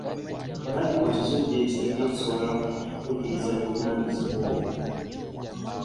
Olabika okizudde nga tojja kusobola kutuukiriza buvunaanyizibwa obwo.